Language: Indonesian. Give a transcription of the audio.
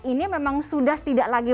ini memang sudah tidak lagi